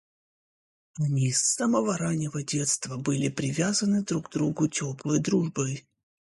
Они с самого раннего детства были привязаны друг к другу теплой дружбой.